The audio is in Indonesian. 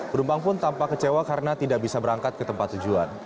penumpang pun tampak kecewa karena tidak bisa berangkat ke tempat tujuan